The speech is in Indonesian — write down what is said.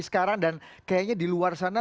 sekarang dan kayaknya di luar sana